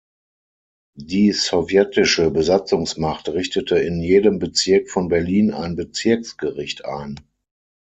Die sowjetische Besatzungsmacht richtete in jedem Bezirk von Berlin ein Bezirksgericht ein.